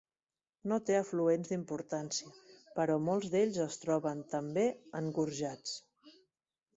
No té afluents d'importància, però molts d'ells es troben, també, engorjats.